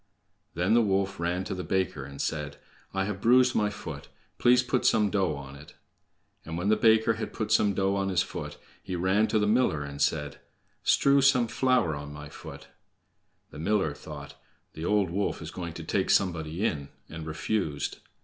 Then the wolf ran to a baker and said: "I have bruised my foot; please put some dough on it." And when the baker had put some dough on his foot, he ran to the miller and said: "Strew some flour on my foot." The miller thought, "The old wolf is going to take somebody in," and refused.